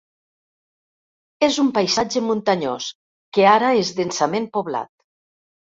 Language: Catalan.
És un paisatge muntanyós, que ara és densament poblat.